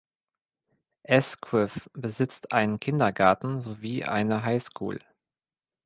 Asquith besitzt einen Kindergarten sowie eine High School.